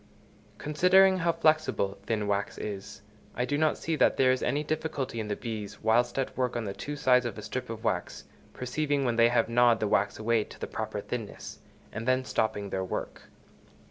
Considering how flexible thin wax is, I do not see that there is any difficulty in the bees, whilst at work on the two sides of a strip of wax, perceiving when they have gnawed the wax away to the proper thinness, and then stopping their work.